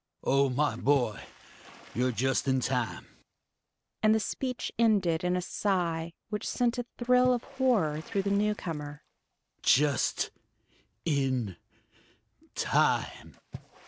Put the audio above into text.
"Oh, my boy! You're just in time," and the speech ended in a sigh which sent a thrill of horror through the newcomer. "Just ... in ... time!"